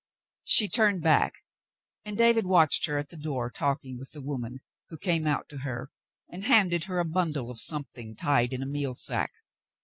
She turned back, and David watched her at the door talking with the woman, who came out to her and handed her a bundle of something tied in a meal sack.